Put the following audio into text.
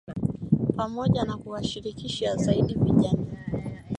pamoja na kuwashirikisha zaidi vijana